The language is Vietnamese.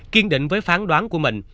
kiên định với phán đoán của mình